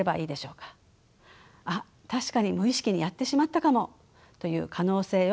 「あ確かに無意識にやってしまったかも」という可能性を考えることは大切です。